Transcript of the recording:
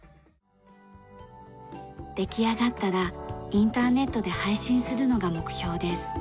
出来上がったらインターネットで配信するのが目標です。